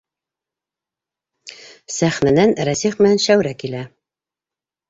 Сәхнәнән Рәсих менән Шәүрә килә.